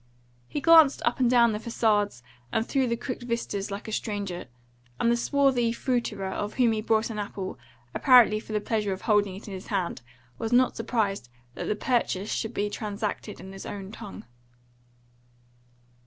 He glanced up and down the facades and through the crooked vistas like a stranger, and the swarthy fruiterer of whom he bought an apple, apparently for the pleasure of holding it in his hand, was not surprised that the purchase should be transacted in his own tongue.